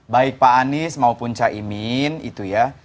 baik pak anies maupun caimin itu ya